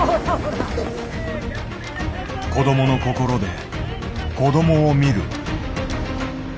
子どもの心で子どもを見る。